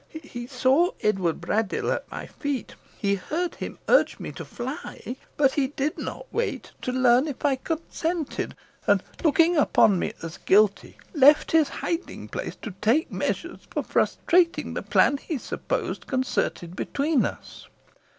He saw Edward Braddyll at my feet he heard him urge me to fly but he did not wait to learn if I consented, and, looking upon me as guilty, left his hiding place to take measures for frustrating the plan, he supposed concerted between us.